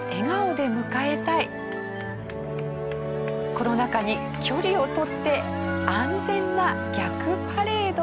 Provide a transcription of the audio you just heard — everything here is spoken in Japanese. コロナ禍に距離をとって安全な逆パレード。